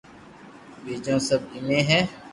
ٻيجو سب ايمي ھي